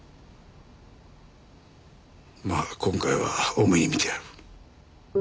まあ今回は大目に見てやる。